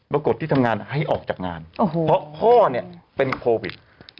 กดที่ทำงานให้ออกจากงานเพราะพ่อเนี่ยเป็นโควิด